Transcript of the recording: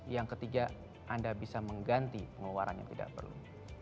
yang ketiga anda bisa mengganti pengeluaran yang tidak perlu